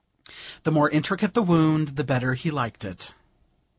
The more intricate the wound, the better he liked it.